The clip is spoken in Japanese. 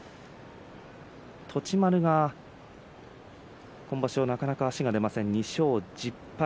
栃丸、今場所なかなか足が出ません２勝１０敗。